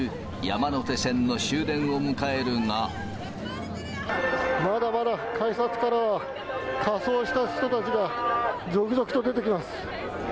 まもなく、まだまだ改札からは、仮装した人たちが続々と出てきます。